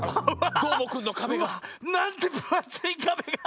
どーもくんのかべが。なんてぶあついかべが！